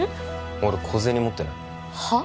俺小銭持ってないはっ？